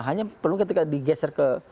hanya perlu ketika digeser ke